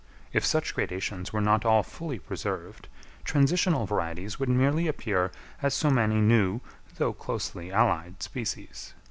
If such gradations were not all fully preserved, transitional varieties would merely appear as so many new, though closely allied species.